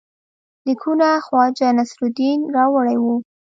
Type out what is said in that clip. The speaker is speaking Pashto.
لیکونه خواجه نصیرالدین راوړي وه.